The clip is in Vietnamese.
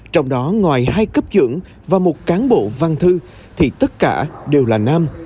trong đó ngoài hai cấp trưởng và một cán bộ văn thư thì tất cả đều là nam